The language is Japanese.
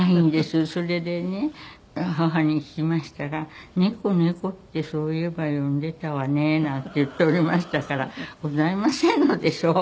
それでね母に聞きましたら「猫猫ってそういえば呼んでたわね」なんて言っておりましたからございませんのでしょう。